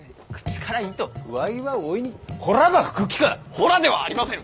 ほらではありませぬ！